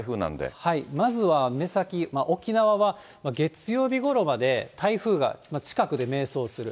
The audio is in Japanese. まずは目先、沖縄は月曜日ごろまで台風が近くで迷走する。